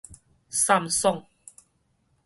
三爽